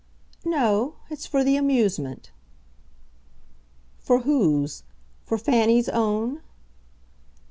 "No it's for the amusement." "For whose? For Fanny's own?"